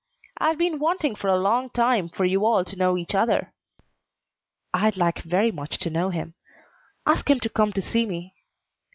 I've been wanting for a long time for you all to know each other." "I'd like very much to know him. Ask him to come to see me."